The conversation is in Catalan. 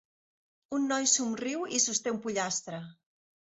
Un noi somriu i sosté un pollastre.